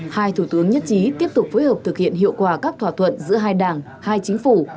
hai thủ tướng nhất trí tiếp tục phối hợp thực hiện hiệu quả các thỏa thuận giữa hai đảng hai chính phủ